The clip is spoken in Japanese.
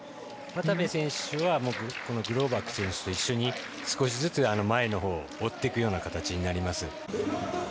渡部選手はグローバク選手と一緒に少しずつ前のほうを追っていくような形になります。